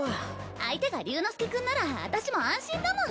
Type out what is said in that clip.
相手が竜之介君ならあたしも安心だもん。